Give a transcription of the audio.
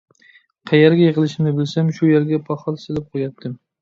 قەيەرگە يىقىلىشىمنى بىلسەم، شۇ يەرگە پاخال سېلىپ قوياتتىم.